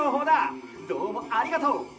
どうもありがとう！